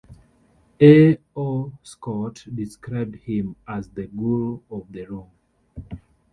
A. O. Scott described him as the "guru" of the room.